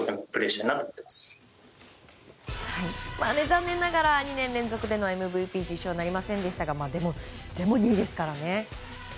残念ながら２年連続でのＭＶＰの受賞はなりませんでしたがでも、２位ですからね。